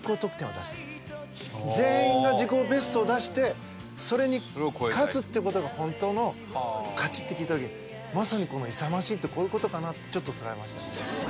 全員が自己ベストを出してそれに勝つっていう事が本当の勝ちって聞いた時にまさにこの勇ましいってこういう事かなって捉えましたね。